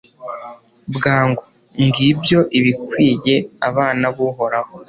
bwangu, ngibyo ibikwiye abana b'uhoraho